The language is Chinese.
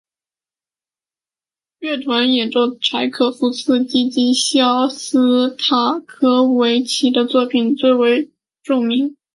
乐团演奏柴可夫斯基及肖斯塔科维奇的作品最为著名。